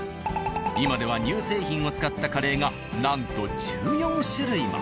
今では乳製品を使ったカレーがなんと１４種類も。